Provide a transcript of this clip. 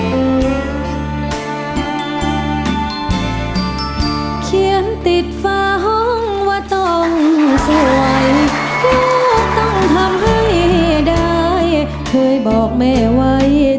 โปรดติดตามตอนต่อไป